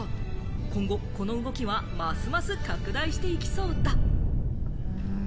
今後この動きはますます拡大していきそうだ。